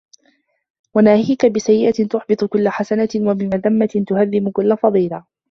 وَنَاهِيَك بِسَيِّئَةٍ تُحْبِطُ كُلَّ حَسَنَةٍ وَبِمَذَمَّةِ تَهْدِمُ كُلَّ فَضِيلَةٍ